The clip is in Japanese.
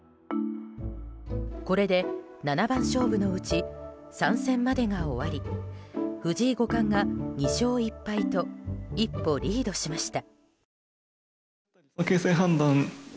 これで七番勝負のうち３戦までが終わり藤井五冠が２勝１敗と一歩リードしました。